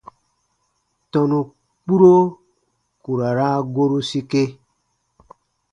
Tɔnu kpuro ku ra raa goru sike.